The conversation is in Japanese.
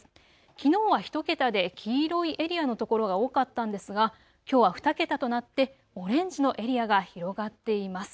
きのうは１桁で黄色いエリアの所が多かったんですが、きょうは２桁となってオレンジのエリアが広がっています。